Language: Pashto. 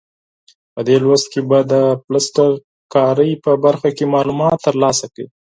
په دې لوست کې به د پلستر کارۍ په برخه کې معلومات ترلاسه کړئ.